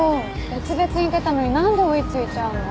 別々に出たのに何で追いついちゃうの？